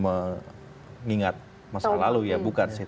mengingat masa lalu ya bukan